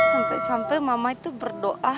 sampai sampai mama itu berdoa